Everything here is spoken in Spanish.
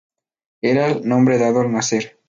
Era el nombre dado al nacer.